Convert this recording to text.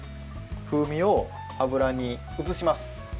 風味を油に移します。